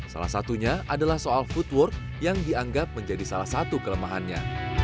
salah satunya adalah soal footwork yang dianggap menjadi salah satu kelemahannya